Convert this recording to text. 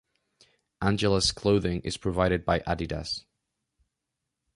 Angela's clothing is provided by Adidas.